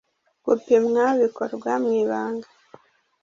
gupimwa bikorwa mu ibanga